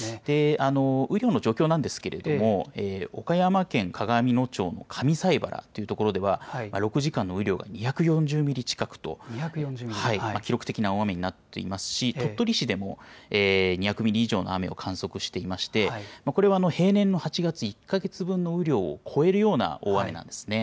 雨量の状況なんですけれども、岡山県鏡野町の上齋原という所では、６時間の雨量が２４０ミリ近くと、記録的な大雨になっていますし、鳥取市でも２００ミリ以上の雨を観測していまして、これは平年の８月１か月分の雨量を超えるような大雨なんですね。